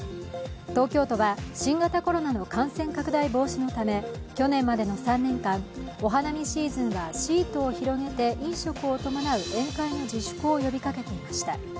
東京都は、新型コロナの感染拡大防止のため去年までの３年間、お花見シーズンはシートを広げて飲食を伴う宴会の自粛を呼びかけていました。